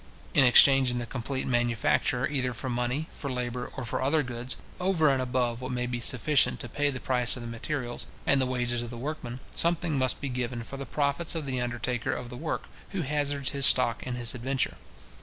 In exchanging the complete manufacture either for money, for labour, or for other goods, over and above what may be sufficient to pay the price of the materials, and the wages of the workmen, something must be given for the profits of the undertaker of the work, who hazards his stock in this adventure.